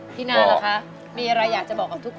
พี่นาล่ะคะมีอะไรอยากจะบอกกับทุกคน